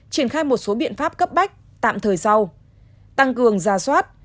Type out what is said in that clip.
triển khai một số biện pháp cấp bách tạm thời sau tăng cường gia soát